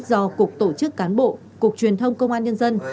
do cục tổ chức cán bộ cục truyền thông công an nhân dân